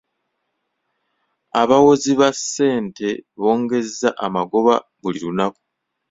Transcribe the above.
Abawozi ba ssente bongeza amagoba buli lunaku.